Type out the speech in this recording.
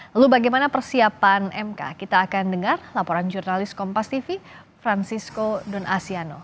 lalu bagaimana persiapan mk kita akan dengar laporan jurnalis kompas tv francisco don asyano